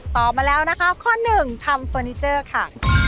ตอบมาแล้วนะครับข้อ๑ทำเฟอร์นิเจอร์ค่ะ